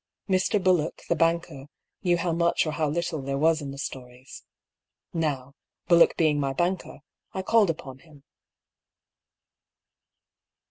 Mr. Bullock, the banker, knew how much or how little there was in the stories. Now, Bullock being my banker, I called upon him."